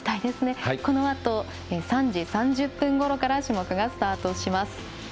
このあと３時３０分ごろから種目がスタートします。